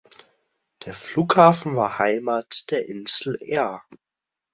Der Flughafen war Heimat der Insel Air.